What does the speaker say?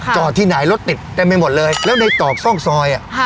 จอดที่ไหนรถติดเต็มไปหมดเลยแล้วในตอกซอกซอย